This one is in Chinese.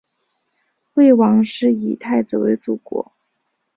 魏王于是以太子为相国。